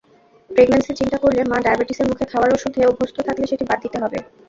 প্রেগন্যান্সির চিন্তা করলে মা ডায়াবেটিসের মুখে খাওয়ার ওষুধে অভ্যস্ত থাকলে সেটি বাদ দিতে হবে।